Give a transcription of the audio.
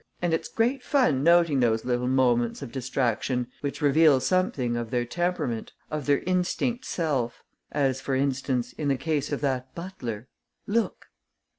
And it's great fun noting those little moments of distraction which reveal something of their temperament, of their instinct self. As, for instance, in the case of that butler: look!"